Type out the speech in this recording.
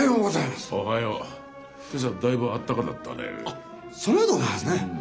あっそのようでございますね。